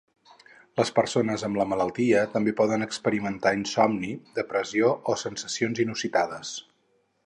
Les persones amb la malaltia també poden experimentar insomni, depressió o sensacions inusitades.